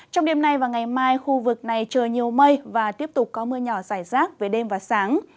trong đêm nay và ngày mai khu vực này trời nhiều mây và tiếp tục có mưa nhỏ rải rác về đêm và sáng